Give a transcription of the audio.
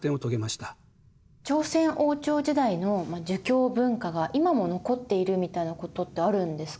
朝鮮王朝時代の儒教文化が今も残っているみたいなことってあるんですか？